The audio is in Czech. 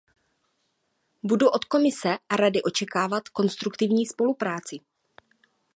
Budu od Komise a Rady očekávat konstruktivní spolupráci.